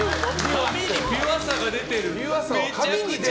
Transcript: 髪にピュアさが出てる！